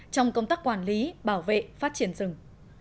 trong công tác quản lý bảo vệ phát triển rừng